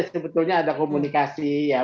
sebetulnya ada komunikasi ya